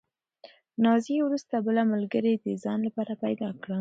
نازیې وروسته بله ملګرې د ځان لپاره پیدا کړه.